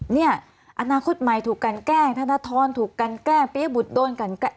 เนี่ยอนาคตใหม่ถูกกันแกล้งธนทรถูกกันแกล้งปียบุตรโดนกันแกล้